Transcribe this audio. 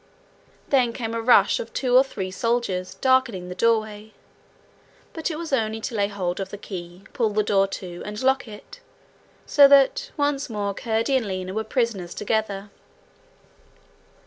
Then came a rush of two or three soldiers darkening the doorway, but it was only to lay hold of the key, pull the door to, and lock it; so that once more Curdie and Lina were prisoners together.